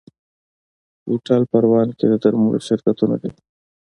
هوټل پروان کې د درملو شرکتونه دي.